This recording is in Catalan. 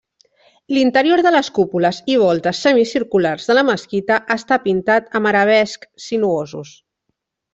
L'interior de les cúpules i voltes semicirculars de la mesquita està pintat amb arabescs sinuosos.